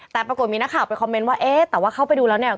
แต่ปรากฏมีนักข่าวไปคอมเมนต์ว่าเอ๊ะแต่ว่าเข้าไปดูแล้วเนี่ย